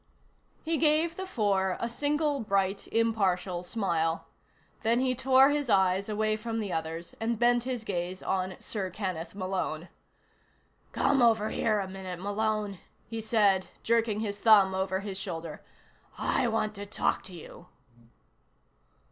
He gave the four a single bright impartial smile. Then he tore his eyes away from the others, and bent his gaze on Sir Kenneth Malone. "Come over here a minute, Malone," he said, jerking his thumb over his shoulder. "I want to talk to you."